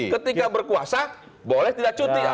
ketika berkuasa boleh tidak cuti